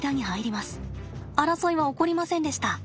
争いは起こりませんでした。